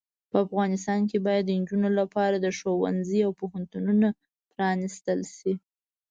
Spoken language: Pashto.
په افغانستان کې باید د انجونو لپاره ښوونځې او پوهنتونونه پرانستل شې.